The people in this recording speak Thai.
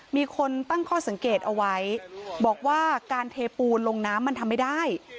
มีคนตั้งข้อสังเกตเอาไว้บอกว่าการเทปูนลงน้ำมันทำไม่ได้